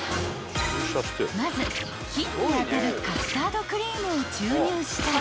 ［まず金に当たるカスタードクリームを注入したら］